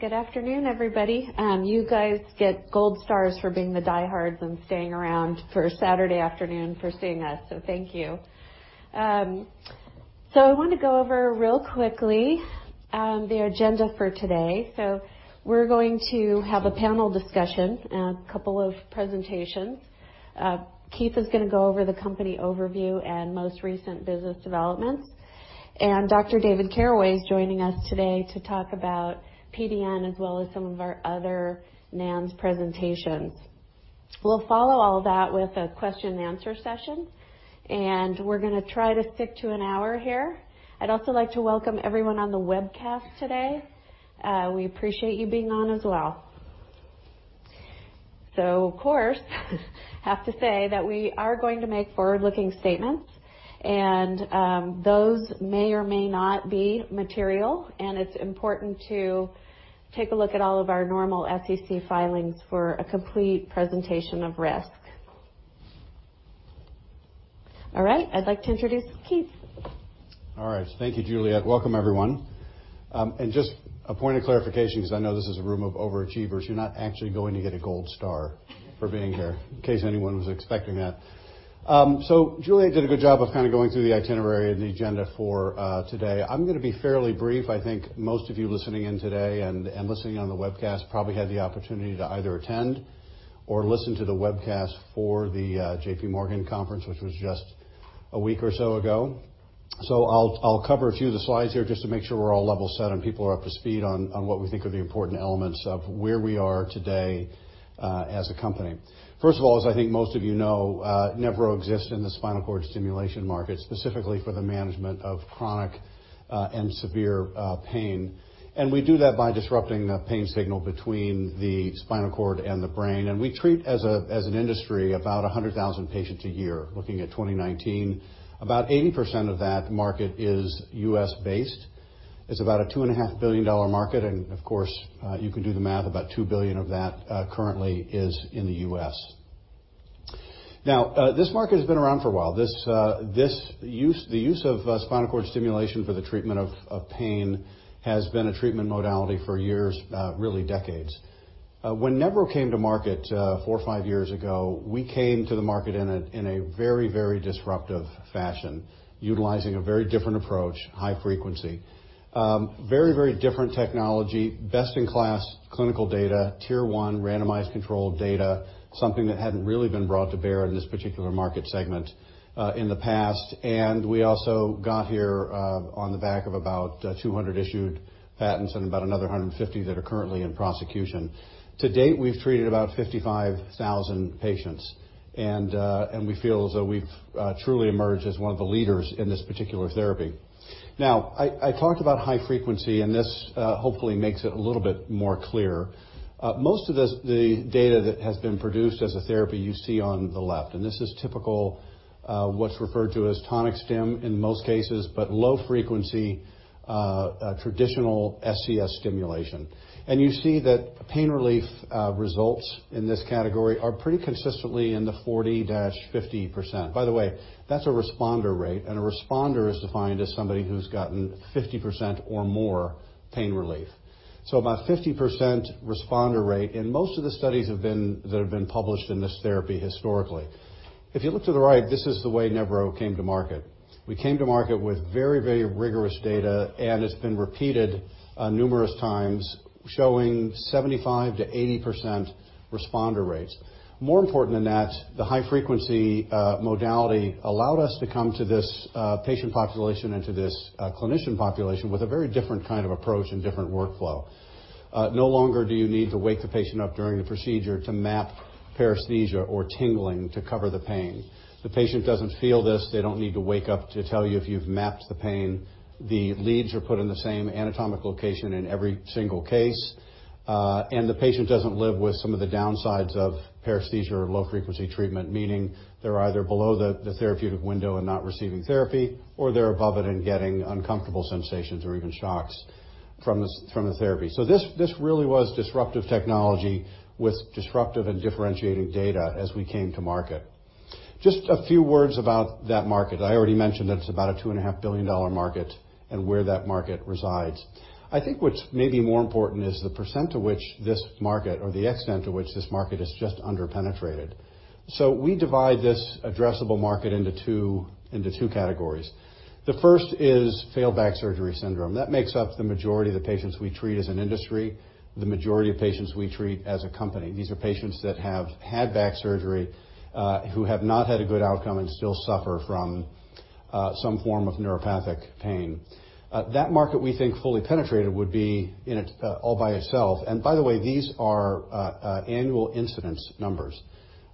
Good afternoon, everybody. You guys get gold stars for being the diehards and staying around for Saturday afternoon for seeing us. Thank you. I want to go over, real quickly, the agenda for today. We're going to have a panel discussion and a couple of presentations. Keith is going to go over the company overview and most recent business developments. Dr. David Caraway is joining us today to talk about PDN as well as some of our other NANS presentations. We'll follow all that with a question and answer session. We're going to try to stick to an hour here. I'd also like to welcome everyone on the webcast today. We appreciate you being on as well. Of course, have to say that we are going to make forward-looking statements, and those may or may not be material, and it's important to take a look at all of our normal SEC filings for a complete presentation of risk. All right, I'd like to introduce Keith. All right. Thank you, Julie. Welcome, everyone. Just a point of clarification, because I know this is a room of overachievers, you're not actually going to get a gold star for being here, in case anyone was expecting that. Julie did a good job of kind of going through the itinerary and the agenda for today. I'm going to be fairly brief. I think most of you listening in today and listening on the webcast probably had the opportunity to either attend or listen to the webcast for the JPMorgan conference, which was just a week or so ago. I'll cover a few of the slides here just to make sure we're all level set and people are up to speed on what we think are the important elements of where we are today, as a company. First of all, as I think most of you know, Nevro exists in the spinal cord stimulation market, specifically for the management of chronic and severe pain. We do that by disrupting the pain signal between the spinal cord and the brain. We treat, as an industry, about 100,000 patients a year. Looking at 2019, about 80% of that market is U.S.-based. It's about a $2.5 billion market. Of course, you can do the math. About $2 billion of that currently is in the U.S. This market has been around for a while. The use of spinal cord stimulation for the treatment of pain has been a treatment modality for years, really decades. When Nevro came to market four or five years ago, we came to the market in a very disruptive fashion, utilizing a very different approach, high frequency. Very different technology, best-in-class clinical data, Tier 1 randomized controlled data, something that hadn't really been brought to bear in this particular market segment, in the past. We also got here on the back of about 200 issued patents and about another 150 that are currently in prosecution. To date, we've treated about 55,000 patients, and we feel as though we've truly emerged as one of the leaders in this particular therapy. Now, I talked about high-frequency, and this hopefully makes it a little bit more clear. Most of the data that has been produced as a therapy you see on the left, and this is typical, what's referred to as tonic stim in most cases, but low-frequency traditional SCS stimulation. You see that pain relief results in this category are pretty consistently in the 40%-50%. That's a responder rate, and a responder is defined as somebody who's gotten 50% or more pain relief. About 50% responder rate in most of the studies that have been published in this therapy historically. If you look to the right, this is the way Nevro came to market. We came to market with very rigorous data, and it's been repeated numerous times, showing 75%-80% responder rates. More important than that, the high-frequency modality allowed us to come to this patient population and to this clinician population with a very different kind of approach and different workflow. No longer do you need to wake the patient up during the procedure to map paresthesia or tingling to cover the pain. The patient doesn't feel this. They don't need to wake up to tell you if you've mapped the pain. The leads are put in the same anatomic location in every single case. The patient doesn't live with some of the downsides of paresthesia or low-frequency treatment, meaning they're either below the therapeutic window and not receiving therapy, or they're above it and getting uncomfortable sensations or even shocks from the therapy. This really was disruptive technology with disruptive and differentiating data as we came to market. Just a few words about that market. I already mentioned that it's about a $2.5 billion market and where that market resides. I think what's maybe more important is the percent to which this market or the extent to which this market is just under-penetrated. We divide this addressable market into two categories. The first is failed back surgery syndrome. That makes up the majority of the patients we treat as an industry, the majority of patients we treat as a company. These are patients that have had back surgery, who have not had a good outcome and still suffer from some form of neuropathic pain. That market, we think, fully penetrated would be all by itself. By the way, these are annual incidence numbers.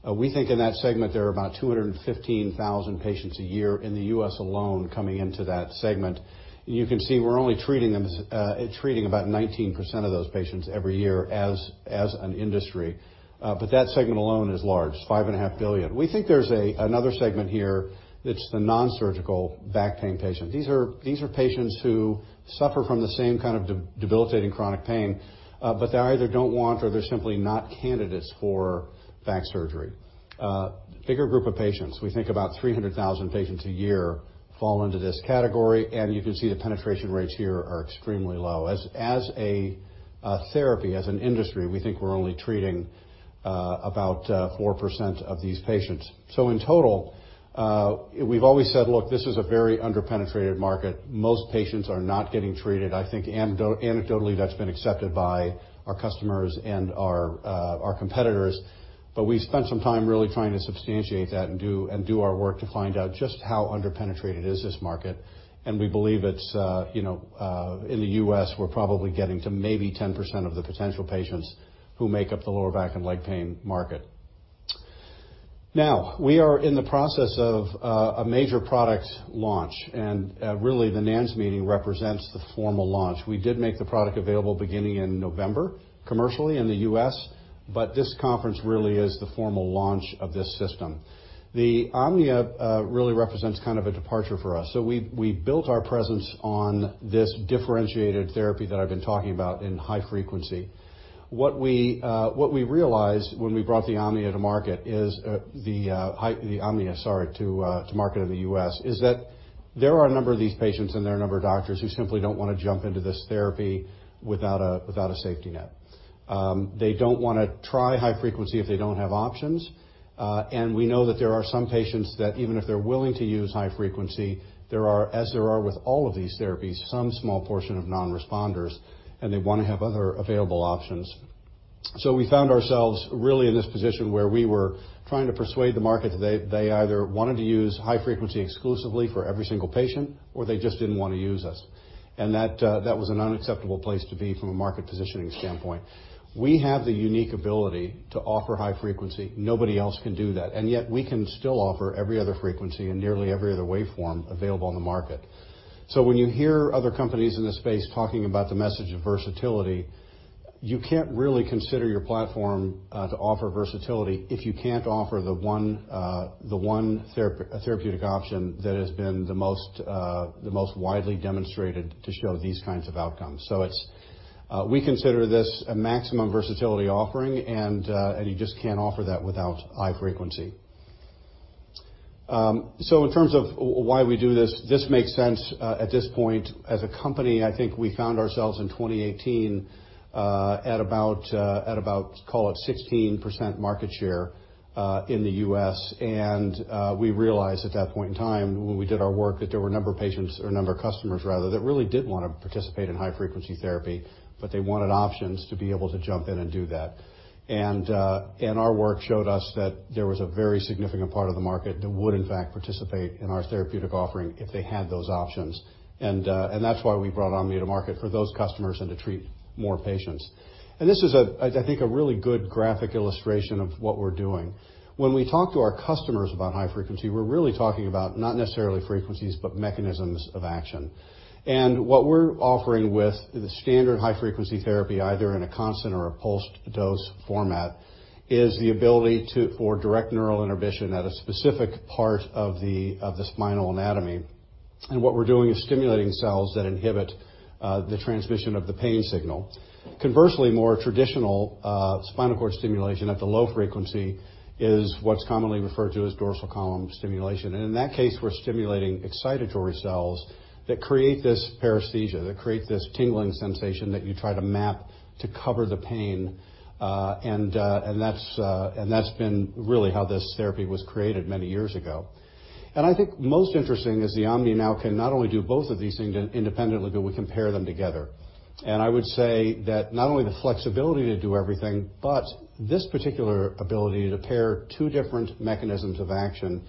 We think in that segment, there are about 215,000 patients a year in the U.S. alone coming into that segment. You can see we're only treating about 19% of those patients every year as an industry. That segment alone is large, $5.5 billion. We think there's another segment here. It's the nonsurgical back pain patient. These are patients who suffer from the same kind of debilitating chronic pain, but they either don't want or they're simply not candidates for back surgery. A bigger group of patients. We think about 300,000 patients a year fall into this category, and you can see the penetration rates here are extremely low. As a therapy, as an industry, we think we're only treating about 4% of these patients. In total, we've always said, look, this is a very under-penetrated market. Most patients are not getting treated. I think anecdotally, that's been accepted by our customers and our competitors. We spent some time really trying to substantiate that and do our work to find out just how under-penetrated is this market. We believe in the U.S., we're probably getting to maybe 10% of the potential patients who make up the lower back and leg pain market. Now, we are in the process of a major product launch, and really, the NANS meeting represents the formal launch. We did make the product available beginning in November commercially in the U.S., this conference really is the formal launch of this system. The Omnia really represents kind of a departure for us. We built our presence on this differentiated therapy that I've been talking about in high frequency. What we realized when we brought the Omnia to market in the U.S., is that there are a number of these patients, and there are a number of doctors who simply don't want to jump into this therapy without a safety net. They don't want to try high frequency if they don't have options. We know that there are some patients that even if they're willing to use high frequency, as there are with all of these therapies, some small portion of non-responders, and they want to have other available options. We found ourselves really in this position where we were trying to persuade the market that they either wanted to use high frequency exclusively for every single patient, or they just didn't want to use us. That was an unacceptable place to be from a market positioning standpoint. We have the unique ability to offer high frequency. Nobody else can do that, and yet we can still offer every other frequency and nearly every other waveform available on the market. When you hear other companies in this space talking about the message of versatility, you can't really consider your platform, to offer versatility, if you can't offer the one therapeutic option that has been the most widely demonstrated to show these kinds of outcomes. We consider this a maximum versatility offering, and you just can't offer that without high frequency. In terms of why we do this makes sense. At this point as a company, I think we found ourselves in 2018, at about call it 16% market share in the U.S. We realized at that point in time when we did our work, that there were a number of patients or a number of customers rather, that really didn't want to participate in high-frequency therapy, but they wanted options to be able to jump in and do that. Our work showed us that there was a very significant part of the market that would in fact participate in our therapeutic offering if they had those options. That's why we brought Omnia to market for those customers and to treat more patients. This is, I think, a really good graphic illustration of what we're doing. When we talk to our customers about high-frequency, we're really talking about not necessarily frequencies, but mechanisms of action. What we're offering with the standard high-frequency therapy, either in a constant or a pulsed dose format, is the ability for direct neural inhibition at a specific part of the spinal anatomy. What we're doing is stimulating cells that inhibit the transmission of the pain signal. Conversely, more traditional spinal cord stimulation at the low frequency is what's commonly referred to as dorsal column stimulation. In that case, we're stimulating excitatory cells that create this paresthesia, that create this tingling sensation that you try to map to cover the pain. That's been really how this therapy was created many years ago. I think most interesting is the Omnia now can not only do both of these things independently, but we can pair them together. I would say that not only the flexibility to do everything, but this particular ability to pair two different mechanisms of action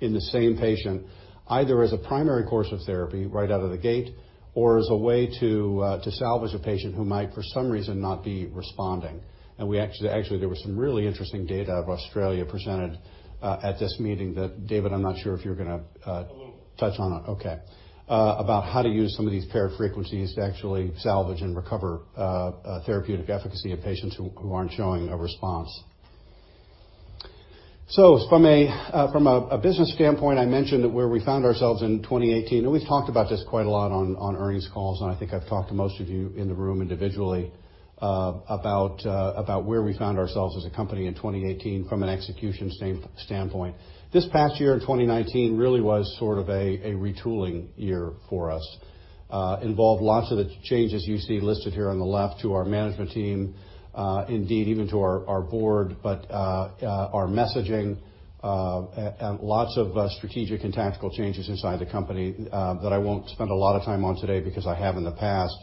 in the same patient, either as a primary course of therapy right out of the gate, or as a way to salvage a patient who might, for some reason, not be responding. Actually, there was some really interesting data of Australia presented at this meeting that, David. A little. Touch on it. Okay. About how to use some of these paired frequencies to actually salvage and recover therapeutic efficacy in patients who aren't showing a response. From a business standpoint, I mentioned where we found ourselves in 2018, and we've talked about this quite a lot on earnings calls, and I think I've talked to most of you in the room individually about where we found ourselves as a company in 2018 from an execution standpoint. This past year in 2019 really was sort of a retooling year for us. Involved lots of the changes you see listed here on the left to our management team, indeed even to our board. Our messaging, lots of strategic and tactical changes inside the company that I won't spend a lot of time on today because I have in the past.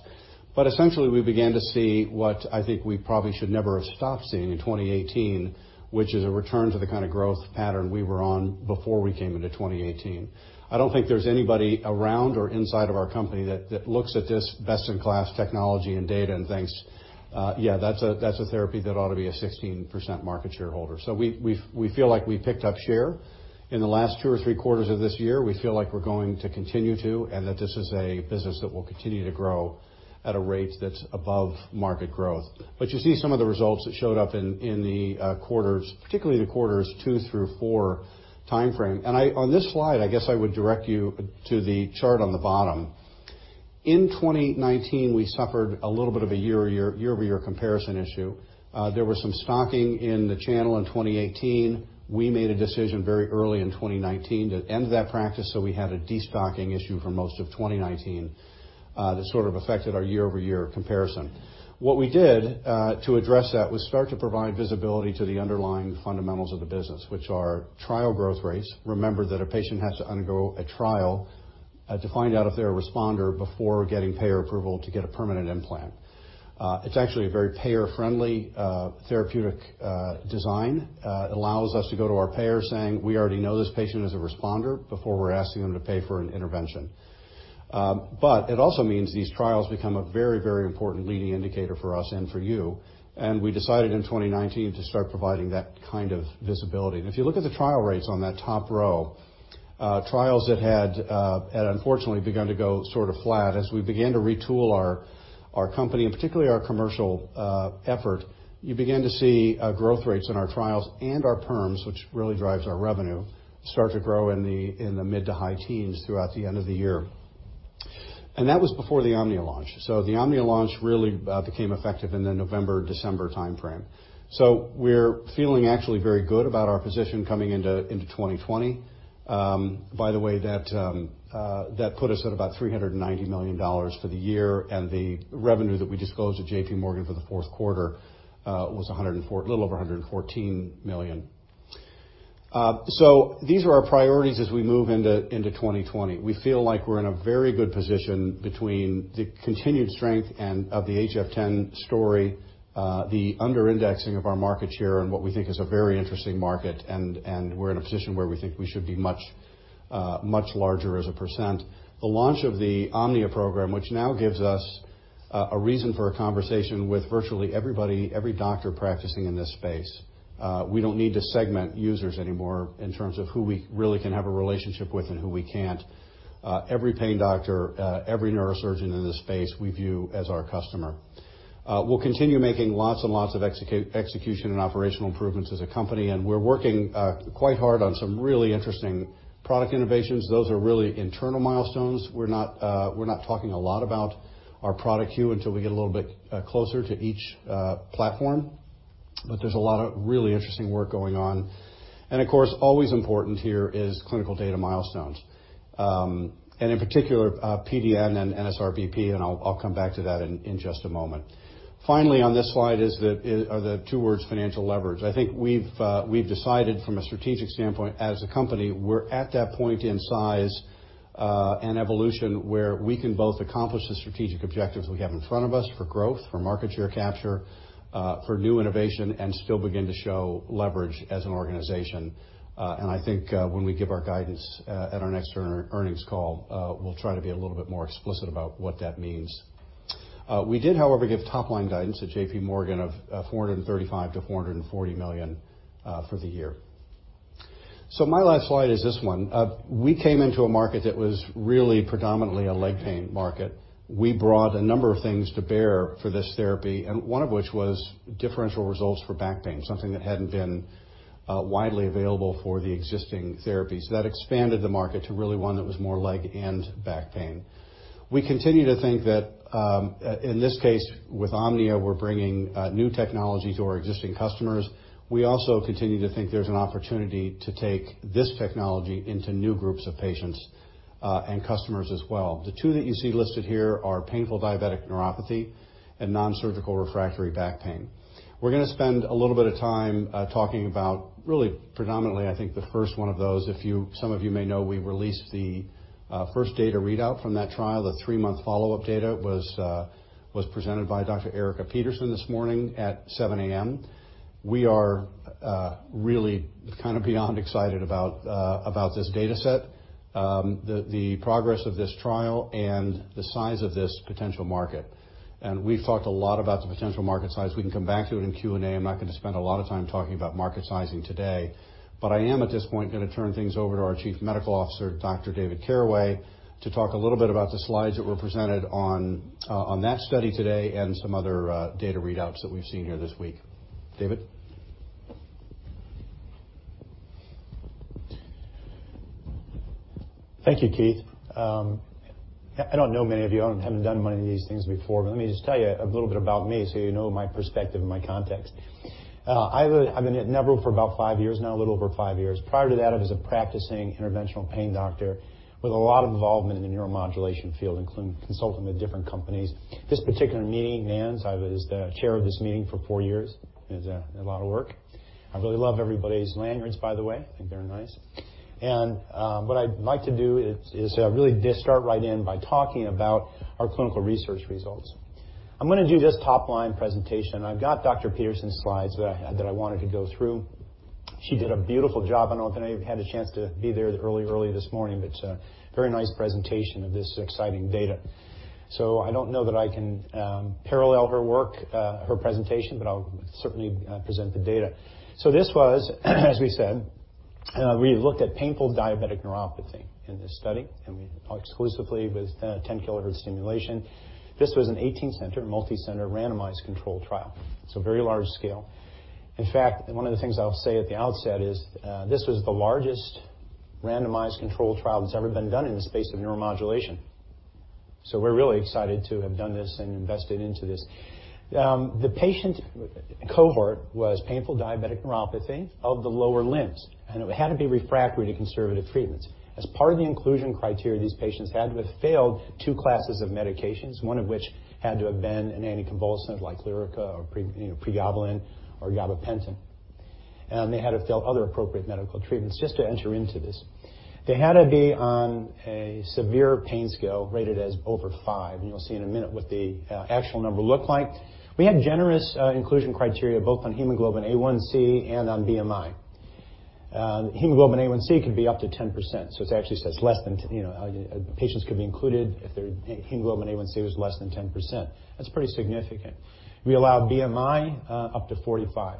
Essentially, we began to see what I think we probably should never have stopped seeing in 2018, which is a return to the kind of growth pattern we were on before we came into 2018. I don't think there's anybody around or inside of our company that looks at this best-in-class technology and data and thinks, "Yeah, that's a therapy that ought to be a 16% market share holder." We feel like we've picked up share. In the last two or three quarters of this year, we feel like we're going to continue to, and that this is a business that will continue to grow at a rate that's above market growth. You see some of the results that showed up in the quarters, particularly the quarters 2 through 4 timeframe. On this slide, I guess I would direct you to the chart on the bottom. In 2019, we suffered a little bit of a year-over-year comparison issue. There was some stocking in the channel in 2018. We made a decision very early in 2019 to end that practice, so we had a de-stocking issue for most of 2019 that sort of affected our year-over-year comparison. What we did to address that was start to provide visibility to the underlying fundamentals of the business, which are trial growth rates. Remember that a patient has to undergo a trial to find out if they're a responder before getting payer approval to get a permanent implant. It's actually a very payer-friendly therapeutic design. Allows us to go to our payer saying, "We already know this patient is a responder," before we're asking them to pay for an intervention. It also means these trials become a very, very important leading indicator for us and for you. We decided in 2019 to start providing that kind of visibility. If you look at the trial rates on that top row, trials that had unfortunately begun to go sort of flat as we began to retool our company, and particularly our commercial effort, you begin to see growth rates in our trials and our perms, which really drives our revenue, start to grow in the mid-to-high teens throughout the end of the year. That was before the Omnia launch. The Omnia launch really became effective in the November, December timeframe. We're feeling actually very good about our position coming into 2020. By the way, that put us at about $390 million for the year, and the revenue that we disclosed to JPMorgan for the fourth quarter was a little over $114 million. These are our priorities as we move into 2020. We feel like we're in a very good position between the continued strength and of the HF10 story, the under-indexing of our market share and what we think is a very interesting market, and we're in a position where we think we should be much larger as a percent. The launch of the Omnia program, which now gives us a reason for a conversation with virtually everybody, every doctor practicing in this space. We don't need to segment users anymore in terms of who we really can have a relationship with and who we can't. Every pain doctor, every neurosurgeon in this space, we view as our customer. We'll continue making lots and lots of execution and operational improvements as a company, and we're working quite hard on some really interesting product innovations. Those are really internal milestones. We're not talking a lot about our product queue until we get a little bit closer to each platform, but there's a lot of really interesting work going on. Of course, always important here is clinical data milestones. In particular, PDN and NSRBP, and I'll come back to that in just a moment. Finally, on this slide are the two words financial leverage. I think we've decided from a strategic standpoint as a company, we're at that point in size and evolution where we can both accomplish the strategic objectives we have in front of us for growth, for market share capture, for new innovation, and still begin to show leverage as an organization. I think when we give our guidance at our next earnings call, we'll try to be a little bit more explicit about what that means. We did, however, give top-line guidance to JPMorgan of $435 million-$440 million for the year. My last slide is this one. We came into a market that was really predominantly a leg pain market. We brought a number of things to bear for this therapy, and one of which was differential results for back pain, something that hadn't been widely available for the existing therapies. That expanded the market to really one that was more leg and back pain. We continue to think that, in this case, with Omnia, we're bringing new technology to our existing customers. We also continue to think there's an opportunity to take this technology into new groups of patients and customers as well. The two that you see listed here are painful diabetic neuropathy and nonsurgical refractory back pain. We're going to spend a little bit of time talking about really predominantly, I think, the first one of those. Some of you may know we released the first data readout from that trial. The 3-month follow-up data was presented by Dr. Erika Petersen this morning at 7:00 A.M. We are really kind of beyond excited about this data set, the progress of this trial, and the size of this potential market. We've talked a lot about the potential market size. We can come back to it in Q&A. I'm not going to spend a lot of time talking about market sizing today, but I am, at this point, going to turn things over to our Chief Medical Officer, Dr. David Caraway, to talk a little bit about the slides that were presented on that study today and some other data readouts that we've seen here this week. David? Thank you, Keith. I don't know many of you. I haven't done many of these things before. Let me just tell you a little bit about me so you know my perspective and my context. I've been at Nevro for about five years now, a little over five years. Prior to that, I was a practicing interventional pain doctor with a lot of involvement in the neuromodulation field, including consulting with different companies. This particular meeting, NANS, I was the chair of this meeting for four years. It was a lot of work. I really love everybody's lanyards, by the way. I think they're nice. What I'd like to do is really just start right in by talking about our clinical research results. I'm going to do this top-line presentation. I've got Dr. Petersen's slides that I wanted to go through. She did a beautiful job. I don't think I even had a chance to be there early this morning, very nice presentation of this exciting data. I don't know that I can parallel her work, her presentation, I'll certainly present the data. This was as we said, we looked at painful diabetic neuropathy in this study, and exclusively with 10-kHz stimulation. This was an 18-center, multi-center, randomized controlled trial. Very large scale. In fact, one of the things I'll say at the outset is, this was the largest randomized controlled trial that's ever been done in the space of neuromodulation. We're really excited to have done this and invested into this. The patient cohort was painful diabetic neuropathy of the lower limbs, and it had to be refractory to conservative treatments. As part of the inclusion criteria, these patients had to have failed two classes of medications, one of which had to have been an anticonvulsant like Lyrica or pregabalin or gabapentin. They had to fail other appropriate medical treatments just to enter into this. They had to be on a severe pain scale rated as over five, and you'll see in a minute what the actual number looked like. We had generous inclusion criteria both on hemoglobin A1c and on BMI. Hemoglobin A1c could be up to 10%. It actually says patients could be included if their hemoglobin A1c was less than 10%. That's pretty significant. We allowed BMI up to 45.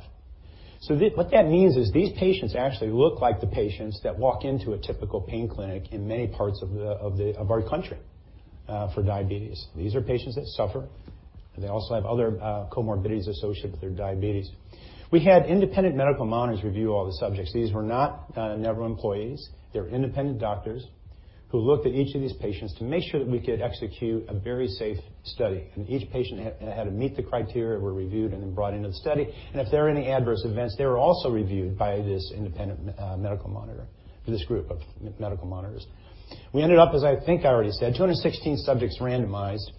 What that means is these patients actually look like the patients that walk into a typical pain clinic in many parts of our country for diabetes. These are patients that suffer, and they also have other comorbidities associated with their diabetes. We had independent medical monitors review all the subjects. These were not Nevro employees. They were independent doctors who looked at each of these patients to make sure that we could execute a very safe study. Each patient had to meet the criteria, were reviewed, and then brought into the study. If there were any adverse events, they were also reviewed by this independent medical monitor, or this group of medical monitors. We ended up, as I think I already said, 216 subjects randomized,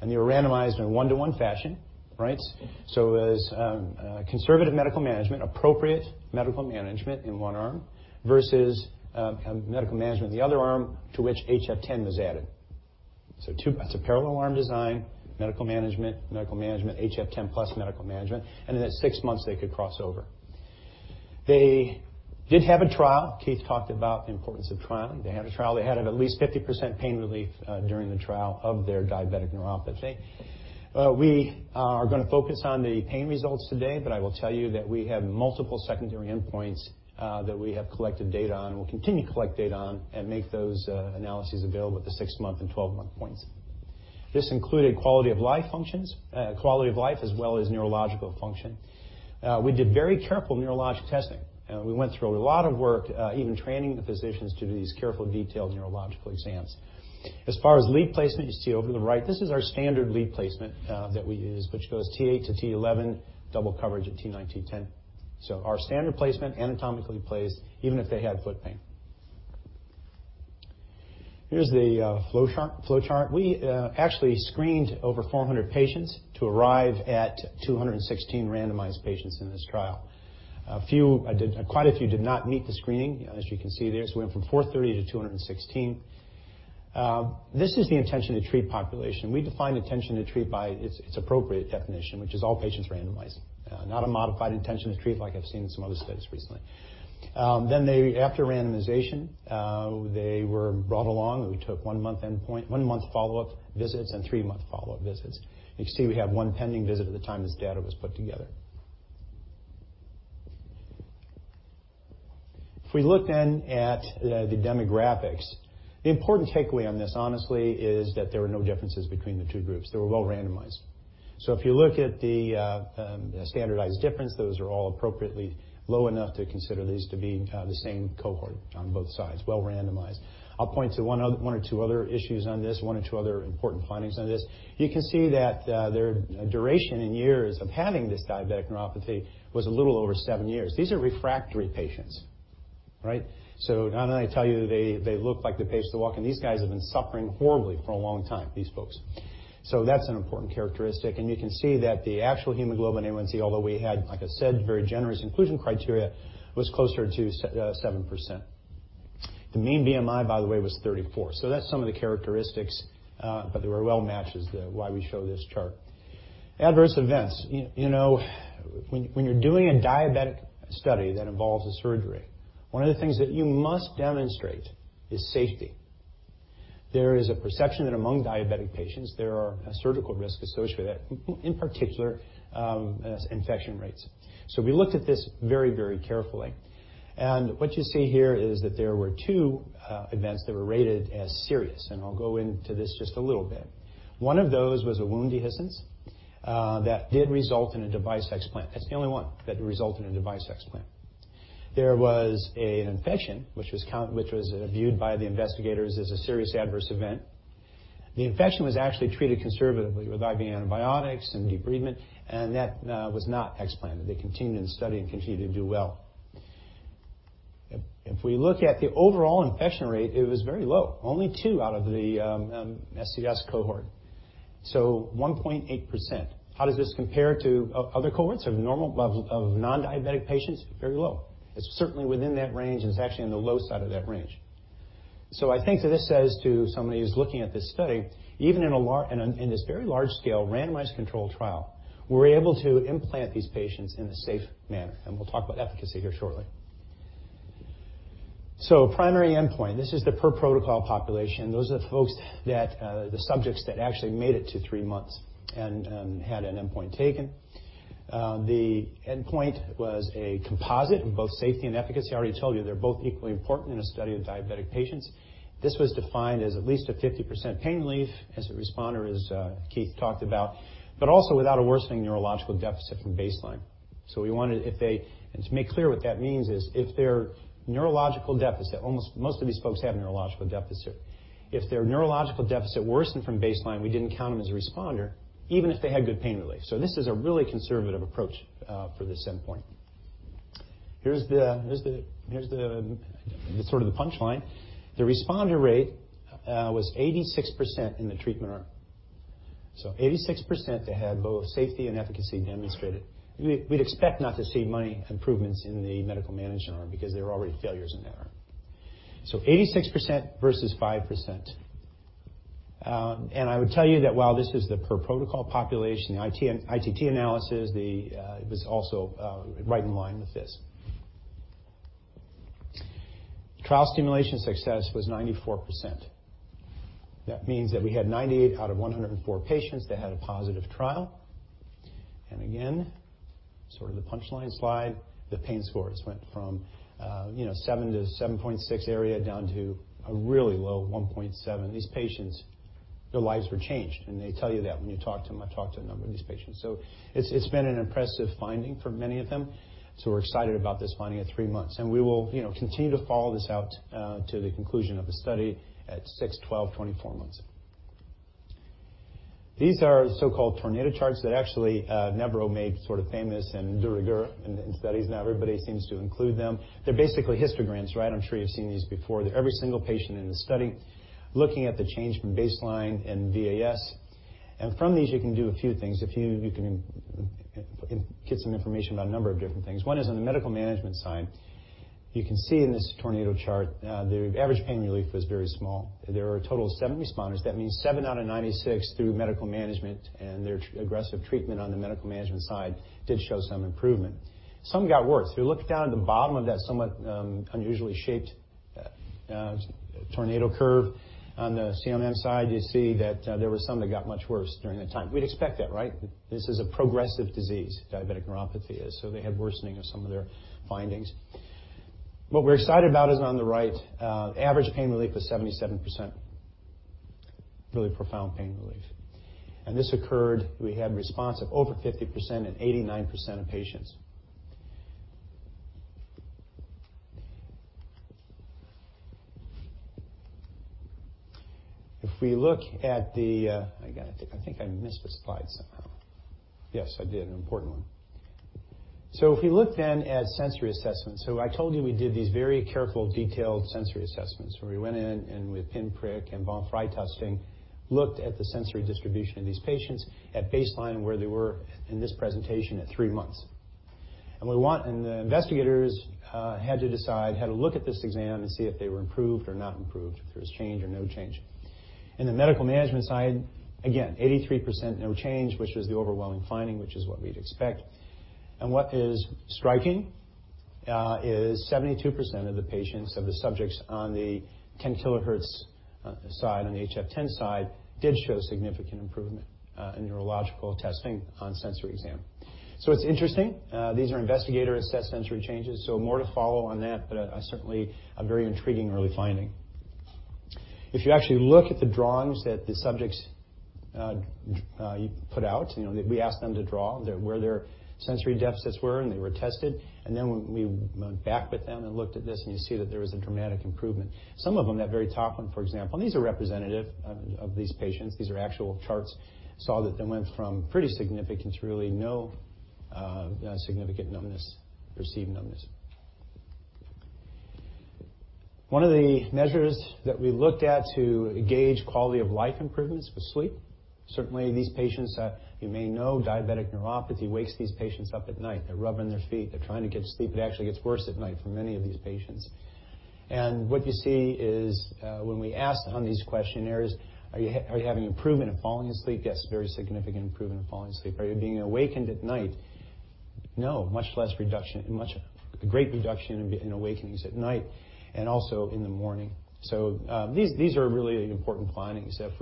and they were randomized in a one-to-one fashion. Right? It was conservative medical management, appropriate medical management in one arm versus medical management in the other arm to which HF10 was added. Two. That's a parallel arm design, medical management, medical management, HF10 plus medical management. Then at six months, they could cross over. They did have a trial. Keith talked about the importance of trialing. They had a trial. They had at least 50% pain relief during the trial of their diabetic neuropathy. We are going to focus on the pain results today, but I will tell you that we have multiple secondary endpoints that we have collected data on and will continue to collect data on and make those analyses available at the six-month and 12-month points. This included quality of life as well as neurological function. We did very careful neurologic testing. We went through a lot of work, even training the physicians to do these careful, detailed neurological exams. As far as lead placement, you see over to the right, this is our standard lead placement that we use, which goes T8 to T11, double coverage at T9, T10. Our standard placement anatomically placed, even if they had foot pain. Here's the flow chart. We actually screened over 400 patients to arrive at 216 randomized patients in this trial. Quite a few did not meet the screening, as you can see there. We went from 430 to 216. This is the intention-to-treat population. We define intention-to-treat by its appropriate definition, which is all patients randomized, not a modified intention-to-treat like I've seen in some other studies recently. After randomization, they were brought along. We took one-month follow-up visits and three-month follow-up visits. You can see we have one pending visit at the time this data was put together. If we look then at the demographics, the important takeaway on this, honestly, is that there were no differences between the two groups. They were well-randomized. If you look at the standardized difference, those are all appropriately low enough to consider these to be the same cohort on both sides. Well-randomized. I'll point to one or two other issues on this, one or two other important findings on this. You can see that their duration in years of having this diabetic neuropathy was a little over seven years. These are refractory patients. Right? Now that I tell you they look like the patients that walk in, these guys have been suffering horribly for a long time, these folks. That's an important characteristic. You can see that the actual hemoglobin A1c, although we had, like I said, very generous inclusion criteria, was closer to 7%. The mean BMI, by the way, was 34. That's some of the characteristics, but they were well matched is why we show this chart. Adverse events. When you're doing a diabetic study that involves a surgery, one of the things that you must demonstrate is safety. There is a perception that among diabetic patients, there are surgical risks associated, in particular, infection rates. We looked at this very carefully. What you see here is that there were two events that were rated as serious, and I'll go into this just a little bit. One of those was a wound dehiscence that did result in a device explant. That's the only one that resulted in a device explant. There was an infection, which was viewed by the investigators as a serious adverse event. The infection was actually treated conservatively with IV antibiotics and debridement, and that was not explanted. They continued in the study and continued to do well. If we look at the overall infection rate, it was very low. Only two out of the SCS cohort. 1.8%. How does this compare to other cohorts of non-diabetic patients? Very low. It's certainly within that range, and it's actually on the low side of that range. I think that this says to somebody who's looking at this study, even in this very large-scale randomized controlled trial, we were able to implant these patients in a safe manner, and we'll talk about efficacy here shortly. Primary endpoint. This is the per-protocol population. Those are the folks that the subjects that actually made it to three months and had an endpoint taken. The endpoint was a composite of both safety and efficacy. I already told you they're both equally important in a study of diabetic patients. This was defined as at least a 50% pain relief as a responder, as Keith talked about, also without a worsening neurological deficit from baseline. To make clear what that means is if their neurological deficit, most of these folks have a neurological deficit. If their neurological deficit worsened from baseline, we didn't count them as a responder, even if they had good pain relief. This is a really conservative approach for this endpoint. Here's the sort of the punchline. The responder rate was 86% in the treatment arm. 86% that had both safety and efficacy demonstrated. We'd expect not to see many improvements in the medical management arm because there were already failures in that arm. 86% versus 5%. I would tell you that while this is the per protocol population, the ITT analysis, it was also right in line with this. Trial stimulation success was 94%. That means that we had 98 out of 104 patients that had a positive trial. Again, sort of the punchline slide, the pain scores went from 7-7.6 area down to a really low 1.7. These patients, their lives were changed, and they tell you that when you talk to them. I talked to a number of these patients. It's been an impressive finding for many of them. We're excited about this finding at three months, and we will continue to follow this out to the conclusion of the study at six, 12, 24 months. These are so-called tornado charts that actually Nevro made sort of famous and de rigueur in studies. Now everybody seems to include them. They're basically histograms. I'm sure you've seen these before. They're every single patient in the study looking at the change from baseline and VAS. From these, you can do a few things. You can get some information about a number of different things. One is on the medical management side. You can see in this tornado chart, the average pain relief was very small. There are a total of seven responders. That means seven out of 96 through medical management and their aggressive treatment on the medical management side did show some improvement. Some got worse. If you look down at the bottom of that somewhat unusually shaped tornado curve on the CMM side, you see that there were some that got much worse during that time. We'd expect that, right? This is a progressive disease, diabetic neuropathy is, so they had worsening of some of their findings. What we're excited about is on the right. Average pain relief was 77%. Really profound pain relief. This occurred, we had response of over 50% in 89% of patients. I think I missed a slide somehow. Yes, I did, an important one. If we look then at sensory assessments, I told you we did these very careful, detailed sensory assessments where we went in and with pin prick and Von Frey testing, looked at the sensory distribution of these patients at baseline and where they were in this presentation at three months. The investigators had to decide, had to look at this exam and see if they were improved or not improved, if there was change or no change. In the medical management side, again, 83% no change, which is the overwhelming finding, which is what we'd expect. What is striking is 72% of the patients, of the subjects on the 10 kHz side, on the HF10 side, did show significant improvement in neurological testing on sensory exam. It's interesting. These are investigator-assessed sensory changes, so more to follow on that, but certainly a very intriguing early finding. If you actually look at the drawings that the subjects put out, we asked them to draw where their sensory deficits were, and they were tested. Then we went back with them and looked at this, and you see that there was a dramatic improvement. Some of them, that very top one, for example, and these are representative of these patients. These are actual charts. Saw that they went from pretty significant to really no significant numbness, perceived numbness. One of the measures that we looked at to gauge quality of life improvements was sleep. Certainly, these patients, you may know diabetic neuropathy wakes these patients up at night. They're rubbing their feet. They're trying to get to sleep. It actually gets worse at night for many of these patients. What you see is when we asked on these questionnaires, "Are you having improvement in falling asleep?" Yes, very significant improvement in falling asleep. "Are you being awakened at night?" No, much less reduction, a great reduction in awakenings at night and also in the morning. These are really important findings. If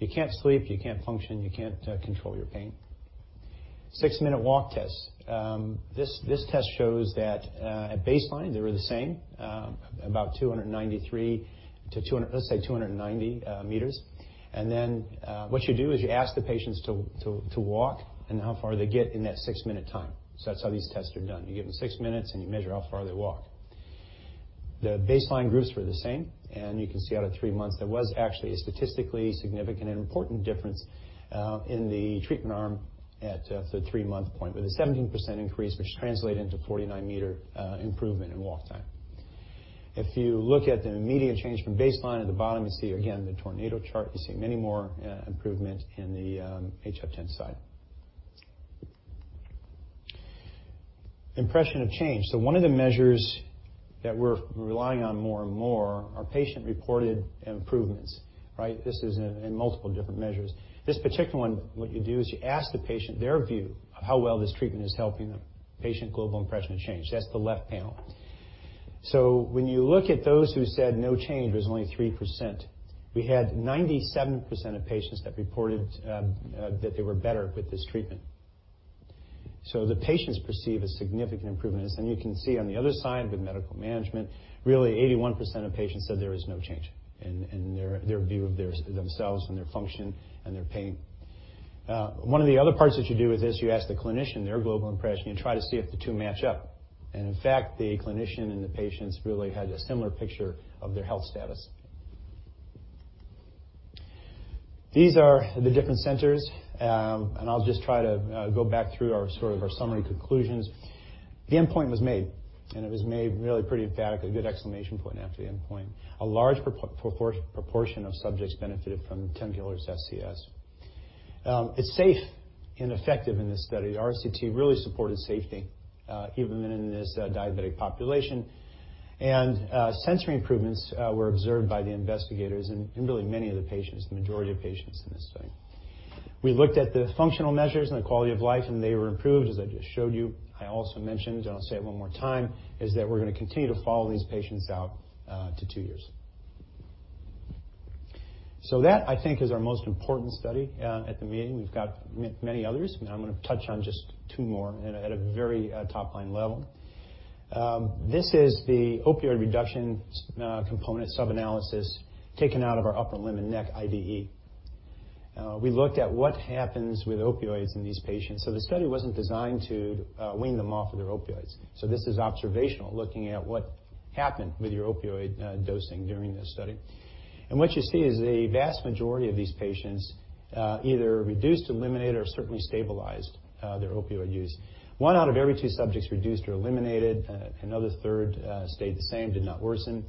you can't sleep, you can't function, you can't control your pain. six-minute walk test. This test shows that at baseline, they were the same, about 293 m to, let's say, 290 m. Then what you do is you ask the patients to walk and how far they get in that six-minute time. That's how these tests are done. You give them six minutes, and you measure how far they walk. The baseline groups were the same. You can see out of three months, there was actually a statistically significant and important difference in the treatment arm at the three-month point with a 17% increase, which translated into 49 m improvement in walk time. If you look at the immediate change from baseline at the bottom, you see again the tornado chart. You see many more improvement in the HF10 side. Impression of change. One of the measures that we're relying on more and more are patient-reported improvements. This is in multiple different measures. This particular one, what you do is you ask the patient their view of how well this treatment is helping them. Patient Global Impression of Change. That's the left panel. When you look at those who said no change, it was only 3%. We had 97% of patients that reported that they were better with this treatment. The patients perceive a significant improvement. You can see on the other side with medical management, really 81% of patients said there was no change in their view of themselves and their function and their pain. One of the other parts that you do with this, you ask the clinician their global impression. You try to see if the two match up. In fact, the clinician and the patients really had a similar picture of their health status. These are the different centers. I'll just try to go back through our summary conclusions. The endpoint was made, and it was made really pretty emphatically, a good exclamation point after the endpoint. A large proportion of subjects benefited from 10 kHz SCS. It's safe and effective in this study. The RCT really supported safety, even in this diabetic population. Sensory improvements were observed by the investigators and really many of the patients, the majority of patients in this study. We looked at the functional measures and the quality of life, and they were improved, as I just showed you. I also mentioned, and I'll say it one more time, is that we're going to continue to follow these patients out to two years. That, I think, is our most important study at the meeting. We've got many others, and I'm going to touch on just two more at a very top-line level. This is the opioid reduction component subanalysis taken out of our upper limb and neck IDE. We looked at what happens with opioids in these patients. The study wasn't designed to wean them off of their opioids. This is observational, looking at what happened with your opioid dosing during this study. What you see is the vast majority of these patients either reduced, eliminated, or certainly stabilized their opioid use. One out of every two subjects reduced or eliminated. Another third stayed the same, did not worsen.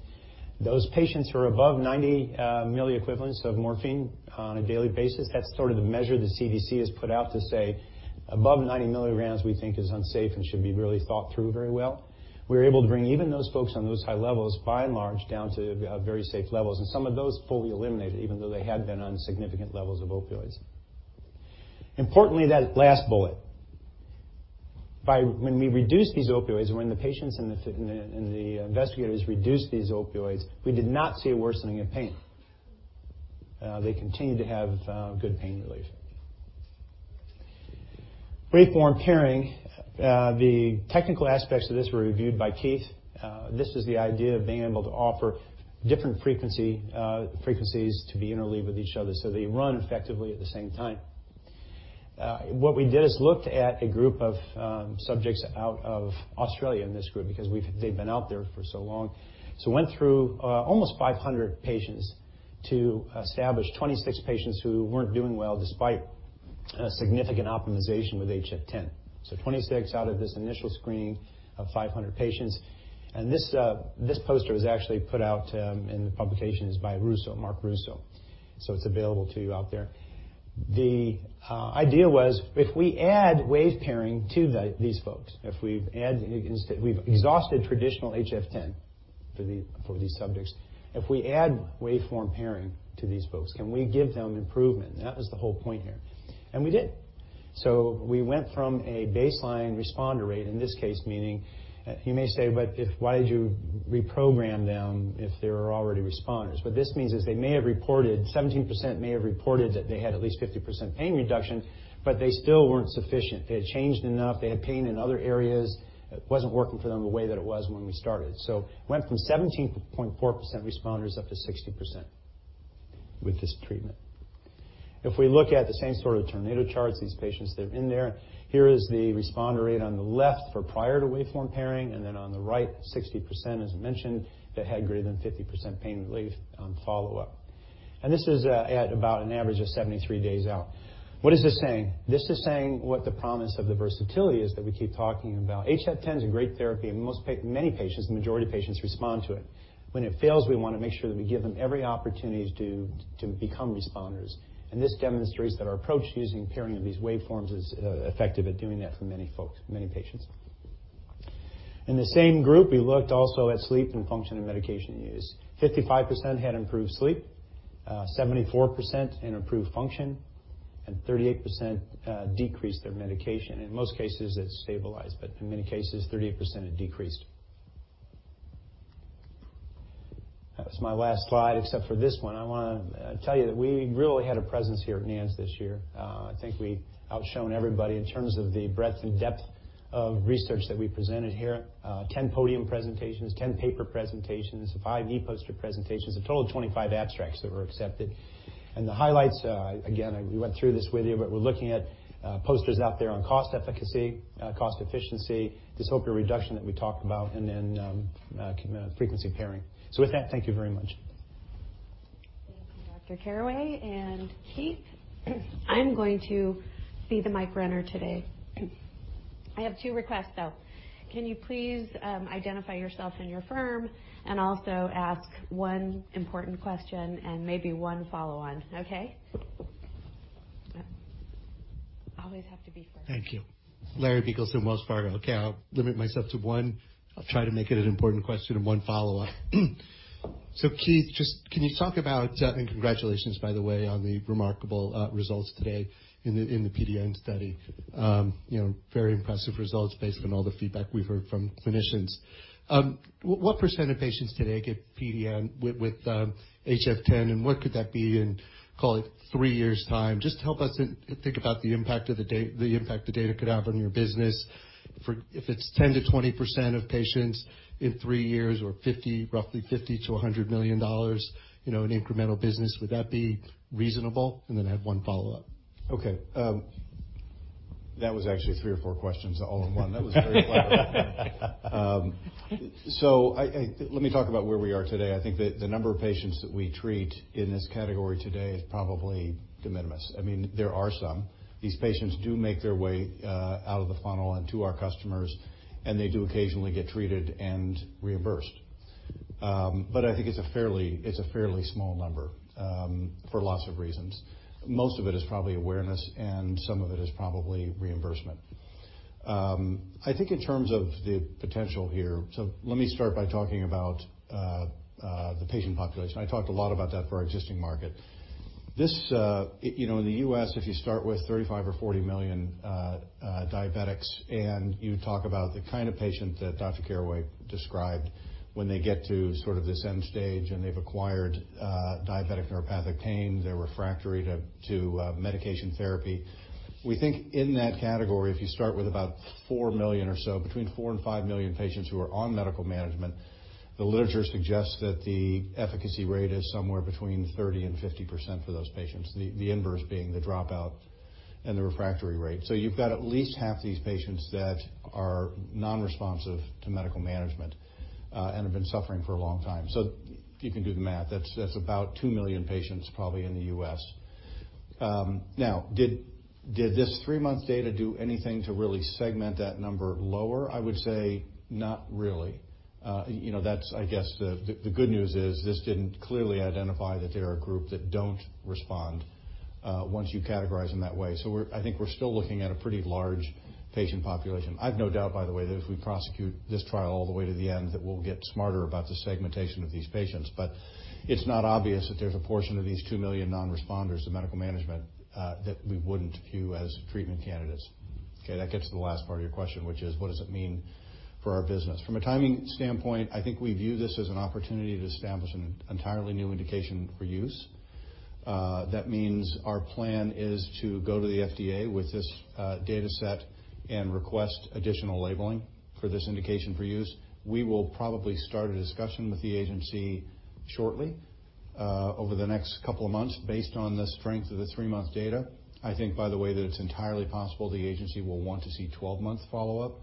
Those patients who are above 90 mg equivalents of morphine on a daily basis, that's sort of the measure the CDC has put out to say, above 90 mg, we think is unsafe and should be really thought through very well. We were able to bring even those folks on those high levels, by and large, down to very safe levels, and some of those fully eliminated, even though they had been on significant levels of opioids. Importantly, that last bullet. When we reduced these opioids, when the patients and the investigators reduced these opioids, we did not see a worsening of pain. They continued to have good pain relief. waveform pairing. The technical aspects of this were reviewed by Keith. This is the idea of being able to offer different frequencies to be interweaved with each other so they run effectively at the same time. What we did is looked at a group of subjects out of Australia in this group because they've been out there for so long. Went through almost 500 patients to establish 26 patients who weren't doing well despite significant optimization with HF10. 26 out of this initial screening of 500 patients. This poster was actually put out in the publications by Marc Russo. It's available to you out there. The idea was, if we add waveform pairing to these folks. We've exhausted traditional HF10 for these subjects. If we add waveform pairing to these folks, can we give them improvement? That was the whole point here. We did. We went from a baseline responder rate, in this case, meaning you may say, but why did you reprogram them if they were already responders? What this means is they may have reported, 17% may have reported that they had at least 50% pain reduction, but they still weren't sufficient. They had changed enough. They had pain in other areas. It wasn't working for them the way that it was when we started. Went from 17.4% responders up to 60% with this treatment. If we look at the same sort of tornado charts, these patients that are in there, here is the responder rate on the left for prior to waveform pairing, then on the right, 60%, as mentioned, that had greater than 50% pain relief on follow-up. This is at about an average of 73 days out. What is this saying? This is saying what the promise of the versatility is that we keep talking about. HF10 is a great therapy, and many patients, the majority of patients respond to it. When it fails, we want to make sure that we give them every opportunity to become responders. This demonstrates that our approach using pairing of these waveforms is effective at doing that for many folks, many patients. In the same group, we looked also at sleep and function and medication use. 55% had improved sleep, 74% had improved function, and 38% decreased their medication. In most cases, it stabilized, but in many cases, 38% had decreased. That's my last slide, except for this one. I want to tell you that we really had a presence here at NANS this year. I think we outshown everybody in terms of the breadth and depth of research that we presented here. 10 podium presentations, 10 paper presentations, five e-poster presentations, a total of 25 abstracts that were accepted. The highlights, again, we went through this with you, but we're looking at posters out there on cost efficacy, cost efficiency, this opioid reduction that we talked about, and then waveform pairing. With that, thank you very much. Thank you, Dr. Caraway and Keith. I'm going to be the mic runner today. I have two requests, though. Can you please identify yourself and your firm, and also ask one important question and maybe one follow-on, okay? Always have to be first. Thank you. Larry Biegelsen from Wells Fargo. Okay, I'll limit myself to one. I'll try to make it an important question and one follow-up. Keith, can you talk about Congratulations, by the way, on the remarkable results today in the PDN study. Very impressive results based on all the feedback we've heard from clinicians. What % of patients today get PDN with HF10, and what could that be in, call it three years' time? Just help us think about the impact the data could have on your business. If it's 10%-20% of patients in three years or roughly $50 million-$100 million in incremental business, would that be reasonable? Then I have one follow-up. Okay. That was actually three or four questions all in one. That was very clever. Let me talk about where we are today. I think that the number of patients that we treat in this category today is probably de minimis. I mean, These patients do make their way out of the funnel and to our customers, and they do occasionally get treated and reimbursed. I think it's a fairly small number for lots of reasons. Most of it is probably awareness, and some of it is probably reimbursement. I think in terms of the potential here, let me start by talking about the patient population. I talked a lot about that for our existing market. In the U.S., if you start with 35 million or 40 million diabetics, and you talk about the kind of patient that Dr. Caraway described, when they get to this end stage, and they've acquired diabetic neuropathic pain, they're refractory to medication therapy. We think in that category, if you start with about 4 million or so, between 4 million and 5 million patients who are on medical management, the literature suggests that the efficacy rate is somewhere between 30%-50% for those patients. The inverse being the dropout and the refractory rate. You've got at least half these patients that are non-responsive to medical management and have been suffering for a long time. You can do the math. That's about 2 million patients probably in the U.S. Now, did this three-month data do anything to really segment that number lower? I would say not really. The good news is this didn't clearly identify that they are a group that don't respond once you categorize them that way. I think we're still looking at a pretty large patient population. I've no doubt, by the way, that if we prosecute this trial all the way to the end, that we'll get smarter about the segmentation of these patients. It's not obvious that there's a portion of these 2 million non-responders to medical management that we wouldn't view as treatment candidates. That gets to the last part of your question, which is what does it mean for our business? From a timing standpoint, I think we view this as an opportunity to establish an entirely new indication for use. That means our plan is to go to the FDA with this data set and request additional labeling for this indication for use. We will probably start a discussion with the agency shortly over the next couple of months based on the strength of the three-month data. I think, by the way, that it's entirely possible the agency will want to see 12-month follow-up.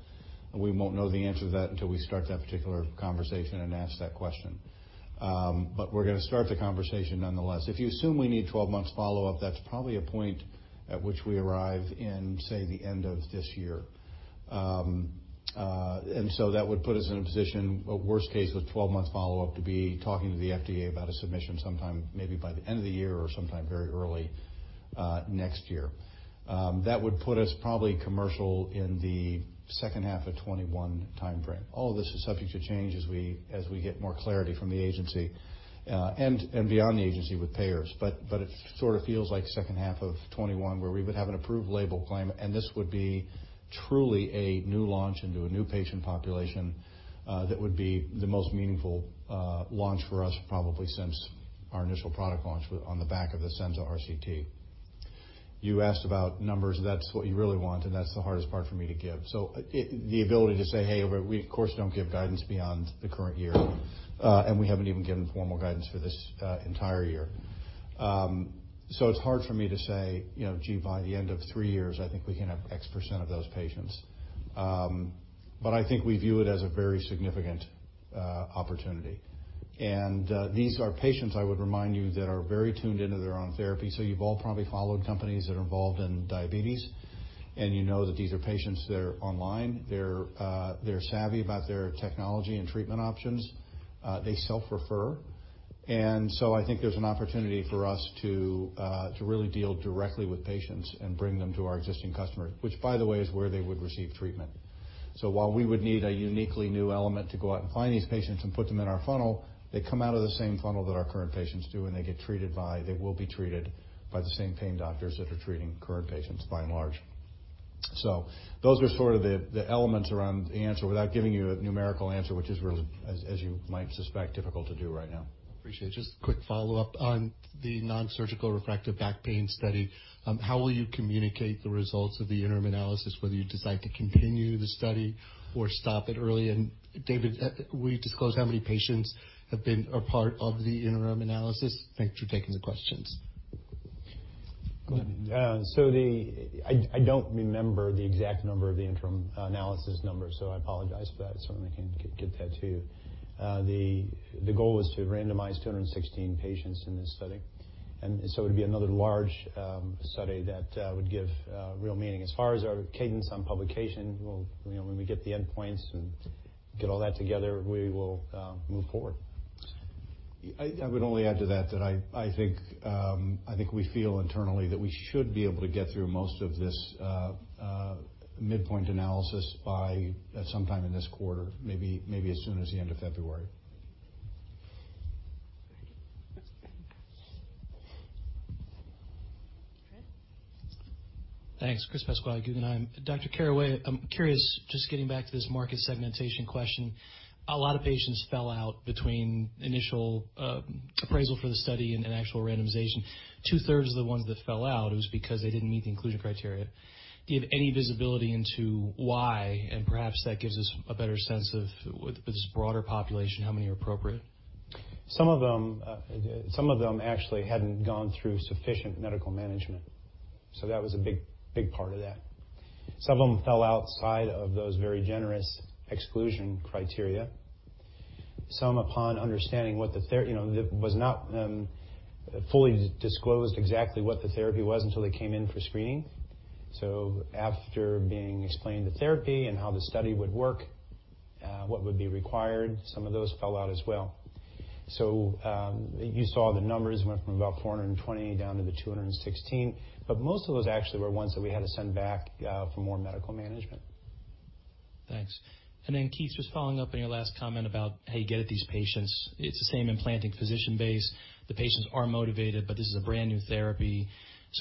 We won't know the answer to that until we start that particular conversation and ask that question. We're going to start the conversation nonetheless. If you assume we need 12 months follow-up, that's probably a point at which we arrive in, say, the end of this year. That would put us in a position, worst case, with 12-month follow-up to be talking to the FDA about a submission sometime maybe by the end of the year or sometime very early next year. That would put us probably commercial in the second half of 2021 timeframe. All of this is subject to change as we get more clarity from the agency and beyond the agency with payers. It sort of feels like second half of 2021, where we would have an approved label claim, and this would be truly a new launch into a new patient population that would be the most meaningful launch for us probably since our initial product launch on the back of the SENZA RCT. You asked about numbers. That's what you really want, and that's the hardest part for me to give. The ability to say, "Hey, we of course, don't give guidance beyond the current year," and we haven't even given formal guidance for this entire year. It's hard for me to say, "Gee, by the end of three years, I think we can have x percent of those patients." I think we view it as a very significant opportunity. These are patients, I would remind you, that are very tuned into their own therapy. You've all probably followed companies that are involved in diabetes, and you know that these are patients that are online. They're savvy about their technology and treatment options. They self-refer. I think there's an opportunity for us to really deal directly with patients and bring them to our existing customer, which by the way, is where they would receive treatment. While we would need a uniquely new element to go out and find these patients and put them in our funnel, they come out of the same funnel that our current patients do, and they will be treated by the same pain doctors that are treating current patients by and large. Those are sort of the elements around the answer without giving you a numerical answer, which is really, as you might suspect, difficult to do right now. Appreciate it. Just a quick follow-up on the nonsurgical refractory back pain study. How will you communicate the results of the interim analysis, whether you decide to continue the study or stop it early? David, will you disclose how many patients have been a part of the interim analysis? Thanks for taking the questions. Go ahead. I don't remember the exact number of the interim analysis numbers. I apologize for that. Certainly can get that to you. The goal was to randomize 216 patients in this study. It'd be another large study that would give real meaning. As far as our cadence on publication, when we get the endpoints and get all that together, we will move forward. I would only add to that I think we feel internally that we should be able to get through most of this midpoint analysis by sometime in this quarter. Maybe as soon as the end of February. Chris. Thanks. Chris Pasquale, Guggenheim. Dr. Caraway, I'm curious, just getting back to this market segmentation question. A lot of patients fell out between initial appraisal for the study and actual randomization. Two-thirds of the ones that fell out, it was because they didn't meet the inclusion criteria. Do you have any visibility into why? Perhaps that gives us a better sense of with this broader population, how many are appropriate. Some of them actually hadn't gone through sufficient medical management. That was a big part of that. Some of them fell outside of those very generous exclusion criteria. Some upon understanding what the therapy was. It was not fully disclosed exactly what the therapy was until they came in for screening. After being explained the therapy and how the study would work, what would be required, some of those fell out as well. You saw the numbers went from about 420 down to the 216, but most of those actually were ones that we had to send back for more medical management. Thanks. Keith, just following up on your last comment about how you get at these patients. It's the same implanting physician base. The patients are motivated, but this is a brand-new therapy.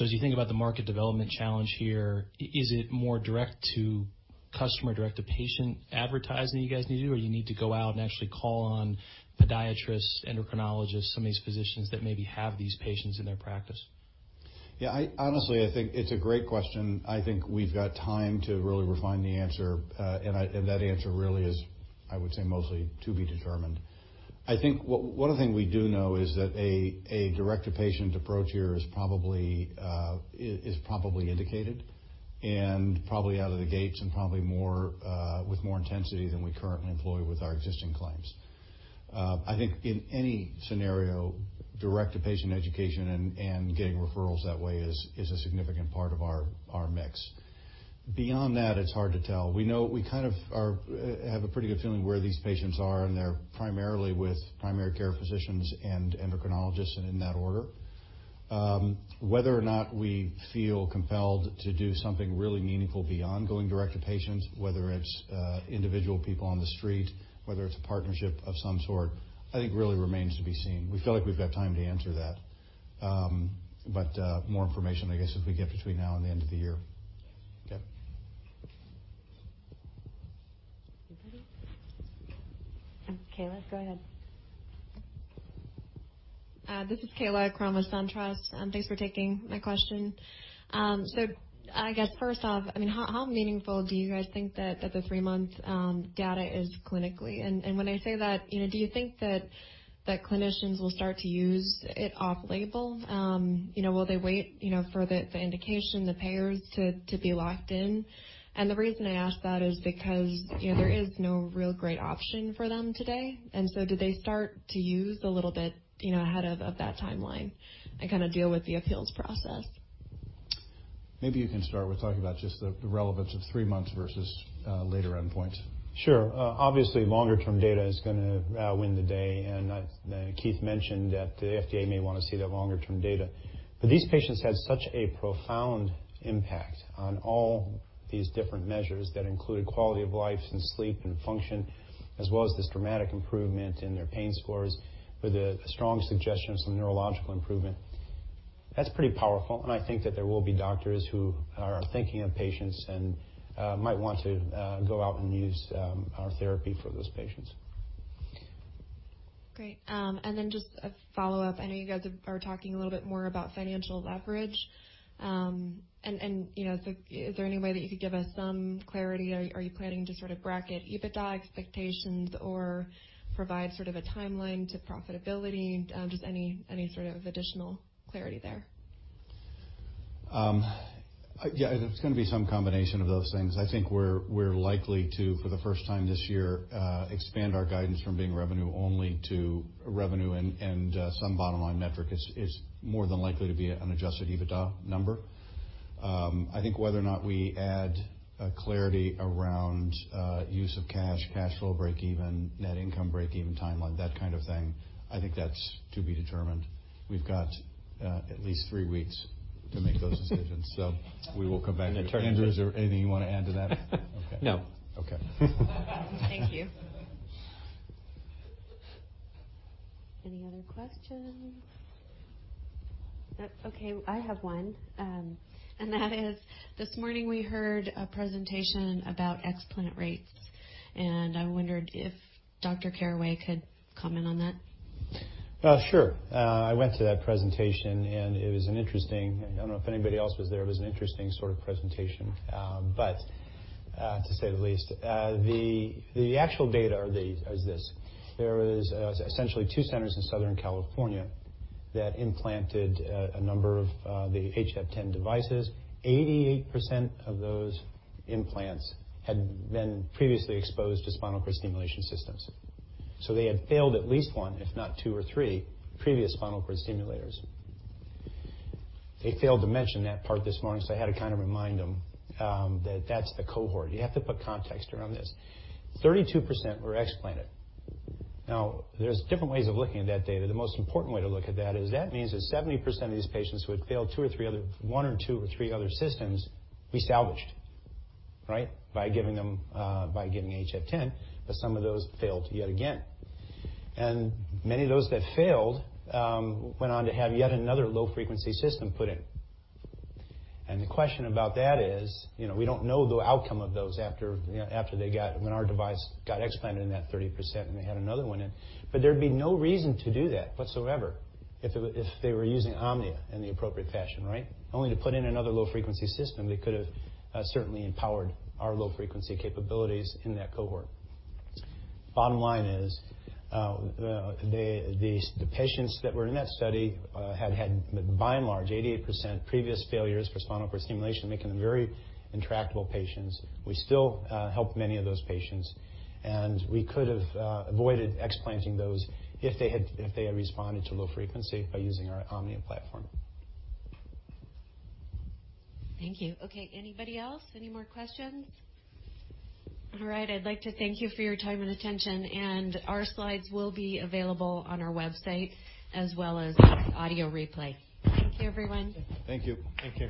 As you think about the market development challenge here, is it more direct-to-customer, direct-to-patient advertising you guys need to do? You need to go out and actually call on podiatrists, endocrinologists, some of these physicians that maybe have these patients in their practice? Yeah, honestly, I think it's a great question. I think we've got time to really refine the answer. That answer really is, I would say, mostly to be determined. I think one other thing we do know is that a direct-to-patient approach here is probably indicated and probably out of the gates and probably with more intensity than we currently employ with our existing clients. I think in any scenario, direct-to-patient education and getting referrals that way is a significant part of our mix. Beyond that, it's hard to tell. We kind of have a pretty good feeling where these patients are, and they're primarily with primary care physicians and endocrinologists and in that order. Whether or not we feel compelled to do something really meaningful beyond going direct to patients, whether it's individual people on the street, whether it's a partnership of some sort, I think really remains to be seen. We feel like we've got time to answer that. More information, I guess, as we get between now and the end of the year. Okay. Kaila, go ahead. This is Kaila Krum at SunTrust. Thanks for taking my question. I guess first off, how meaningful do you guys think that the three-month data is clinically? When I say that, do you think that clinicians will start to use it off-label? Will they wait for the indication, the payers to be locked in? The reason I ask that is because there is no real great option for them today, do they start to use a little bit ahead of that timeline and kind of deal with the appeals process? Maybe you can start with talking about just the relevance of three months versus later endpoint? Sure. Obviously, longer-term data is going to win the day, and Keith mentioned that the FDA may want to see that longer-term data. These patients had such a profound impact on all these different measures that included quality of life and sleep and function, as well as this dramatic improvement in their pain scores with a strong suggestion of some neurological improvement. That's pretty powerful, and I think that there will be doctors who are thinking of patients and might want to go out and use our therapy for those patients. Great. Just a follow-up. I know you guys are talking a little bit more about financial leverage. Is there any way that you could give us some clarity? Are you planning to sort of bracket EBITDA expectations or provide sort of a timeline to profitability? Just any sort of additional clarity there. Yeah, it's going to be some combination of those things. I think we're likely to, for the first time this year, expand our guidance from being revenue only to revenue and some bottom-line metric. It's more than likely to be an adjusted EBITDA number. I think whether or not we add clarity around use of cash flow breakeven, net income breakeven timeline, that kind of thing, I think that's to be determined. We've got at least three weeks to make those decisions. We will come back to that. Andrew, is there anything you want to add to that? No. Okay. Thank you. Any other questions? Okay, I have one. That is, this morning we heard a presentation about explant rates, and I wondered if Dr. Caraway could comment on that. Sure. I went to that presentation. It was interesting. I don't know if anybody else was there. It was an interesting sort of presentation, to say the least. The actual data is this: There is essentially two centers in Southern California that implanted a number of the HF10 devices. 88% of those implants had been previously exposed to spinal cord stimulation systems. They had failed at least one, if not two or three previous spinal cord stimulators. They failed to mention that part this morning. I had to kind of remind them that that's the cohort. You have to put context around this. 32% were explanted. There's different ways of looking at that data. The most important way to look at that is that means that 70% of these patients who had failed one or two or three other systems, we salvaged, right? By giving HF10, some of those failed yet again. Many of those that failed went on to have yet another low-frequency system put in. The question about that is, we don't know the outcome of those when our device got explanted in that 30% and they had another one in. There'd be no reason to do that whatsoever if they were using Omnia in the appropriate fashion, right? Only to put in another low-frequency system, they could have certainly empowered our low-frequency capabilities in that cohort. Bottom line is, the patients that were in that study had, by and large, 88% previous failures for spinal cord stimulation, making them very intractable patients. We still helped many of those patients, and we could have avoided explanting those if they had responded to low frequency by using our Omnia platform. Thank you. Okay. Anybody else? Any more questions? All right. I'd like to thank you for your time and attention, and our slides will be available on our website as well as audio replay. Thank you, everyone. Thank you. Thank you.